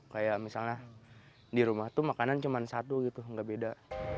kayak misalnya di rumah tuh makanan cuma satu gitu nggak beda